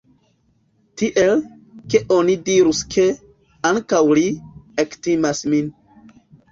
Tiel, ke oni dirus ke, ankaŭ li, ektimas min.